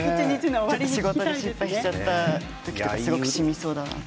ちょっと仕事に失敗しちゃった時とかすごくしみそうだなと。